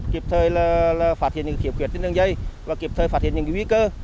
kịp thời phát hiện những khiếp khuyết trên đường dây và kịp thời phát hiện những vĩ cơ